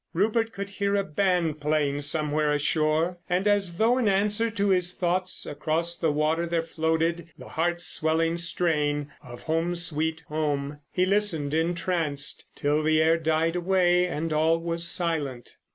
Rupert could hear a band playing somewhere ashore, and as though in answer to his thoughts across the water there floated the heart swelling strain of "Home, Sweet Home." He listened entranced till the air died away and all was silent.